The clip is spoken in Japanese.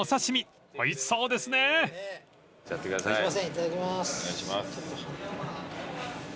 いただきます。